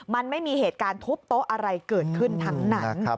มันไม่มีเหตุการณ์ทุบโต๊ะอะไรเกิดขึ้นทั้งนั้น